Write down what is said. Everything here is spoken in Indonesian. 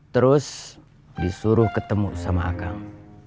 terus disuruh ketemu sama agang